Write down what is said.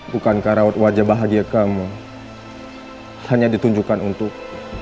bukankah rawat wajah bahagia kamu hanya ditunjukkan untuk